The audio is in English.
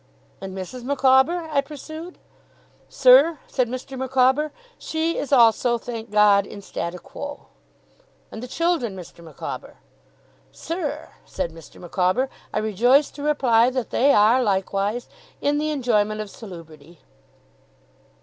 'And Mrs. Micawber?' I pursued. 'Sir,' said Mr. Micawber, 'she is also, thank God, in statu quo.' 'And the children, Mr. Micawber?' 'Sir,' said Mr. Micawber, 'I rejoice to reply that they are, likewise, in the enjoyment of salubrity.